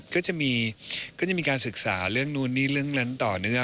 ก็จะมีการศึกษาเรื่องนู้นนี่เรื่องนั้นต่อเนื่อง